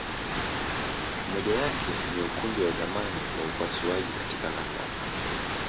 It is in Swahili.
Moja yake ni Ukumbi wa zamani wa upasuaji katika London.